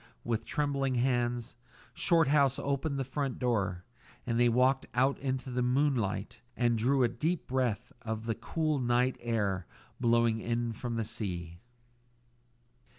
With trembling hands Shorthouse opened the front door, and they walked out into the moonlight and drew a deep breath of the cool night air blowing in from the sea.